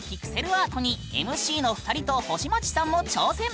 アートにＭＣの２人と星街さんも挑戦！